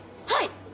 はい！